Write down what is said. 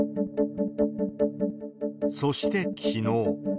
そしてきのう。